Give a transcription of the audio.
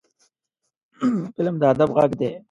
فلم د ادب غږ دی